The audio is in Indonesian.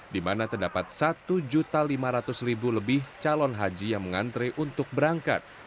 di mana terdapat satu lima ratus lebih calon haji yang mengantre untuk berangkat